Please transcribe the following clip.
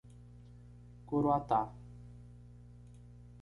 Coroatá